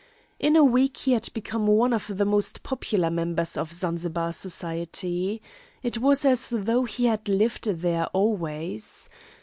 In a week he had become one of the most popular members of Zanzibar society. It was as though he had lived there always.